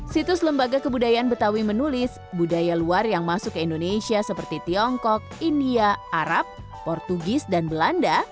situs lembaga kebudayaan betawi menulis budaya luar yang masuk ke indonesia seperti tiongkok india arab portugis dan belanda